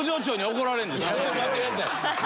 待ってください。